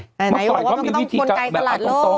ไหนบอกว่ามันก็ต้องกลไกตลาดโลก